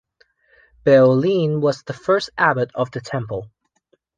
Beow Lean was the first Abbot of the temple.